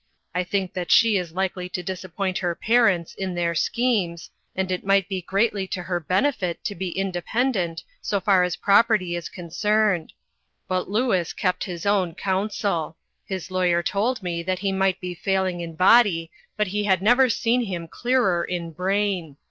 I think that she is likely to disappoint her parents in their schemes, and it might be 408 THE SUMMER S STORY. 409 greatly to her comfort to be independent, so far as property is' concerned. But Louis kept his own counsel. His lawyer told me that he might be failing in body, but he had never seen him clearer in brain.